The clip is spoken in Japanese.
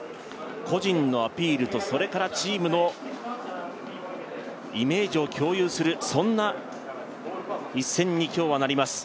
個人のアピールとチームのイメージを共有する、そんな一戦に今日はなります。